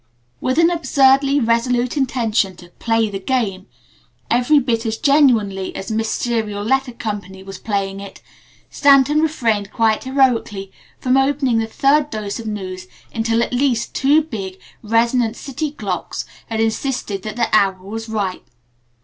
With an absurdly resolute intention to "play the game" every bit as genuinely as Miss Serial Letter Co. was playing it, Stanton refrained quite heroically from opening the third dose of news until at least two big, resonant city clocks had insisted that the hour was ripe.